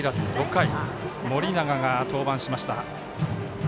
６回、盛永が登板しました。